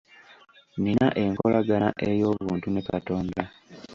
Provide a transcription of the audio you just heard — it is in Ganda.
Nnina enkolagana ey'obuntu ne katonda.